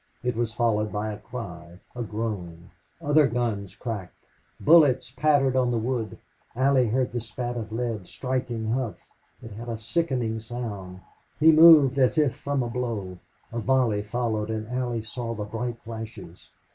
It was followed by a cry a groan. Other guns cracked. Bullets pattered on the wood. Allie heard the spat of lead striking Hough. It had a sickening sound. He moved as if from a blow. A volley followed and Allie saw the bright flashes.